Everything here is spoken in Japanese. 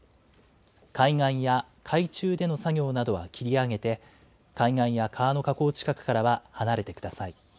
海岸や海中での作業などは切り上げて、海岸や川の河口近くからは離れてください。